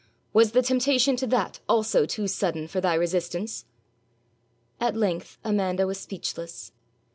Was the temptation to that also too sudden for thy resistance?' At length Amanda was speechless.